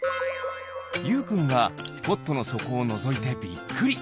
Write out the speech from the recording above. ゆうくんがポットのそこをのぞいてびっくり。